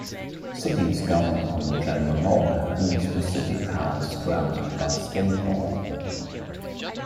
Cities governed under general law have only specific powers granted by state law.